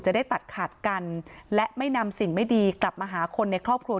จะได้ตัดขาดกันและไม่นำสิ่งไม่ดีกลับมาหาคนในครอบครัว